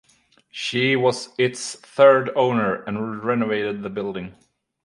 She was its third owner and renovated the building.